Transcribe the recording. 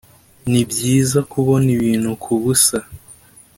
nibyiza kubona ibintu kubusa,